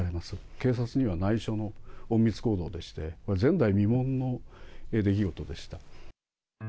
警察にはないしょの隠密行動でして、前代未聞の出来事でした。